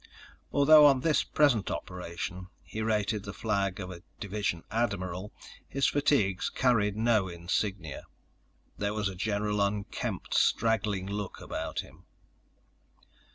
Although on this present operation he rated the flag of a division admiral, his fatigues carried no insignia. There was a general unkempt, straggling look about him.